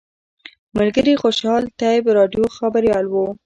ملګري خوشحال طیب راډیو خبریال و.